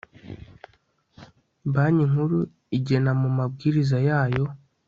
banki nkuru igena mu mabwiriza yayo